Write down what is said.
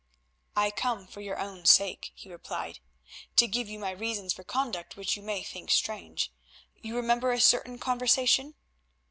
"I come for your own sake," he replied, "to give you my reasons for conduct which you may think strange. You remember a certain conversation?"